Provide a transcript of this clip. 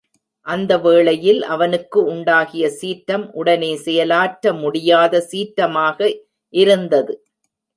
அந்த வேளையில் அவனுக்கு உண்டாகிய சீற்றம் உடனே செயலாற்ற முடியாத சீற்றமாக இருந்தது.